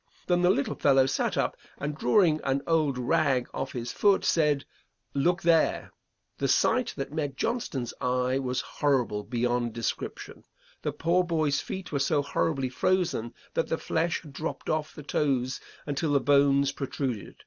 Then the little fellow sat up and drawing on old rag off his foot said, 'Look there.' The sight that met Johnston's eye was horrible beyond description. The poor boy's feet were so horribly frozen that the flesh had dropped off the toes until the bones protruded.